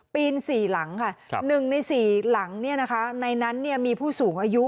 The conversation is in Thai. ปีนสี่หลังค่ะหนึ่งในสี่หลังนี่นะคะในนั้นมีผู้สูงอายุ